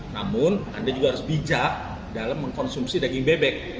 namun anda juga harus bijak dalam mengkonsumsi daging bebek